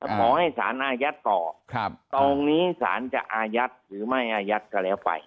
ขอให้สารอายัดต่อตรงนี้สารจะอายัดหรือไม่อายัดก็แล้วไป